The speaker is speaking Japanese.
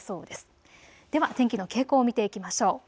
では天気の傾向を見ていきましょう。